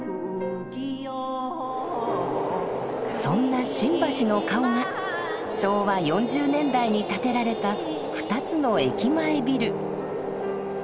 そんな新橋の顔が昭和４０年代に建てられた２つの駅前ビル。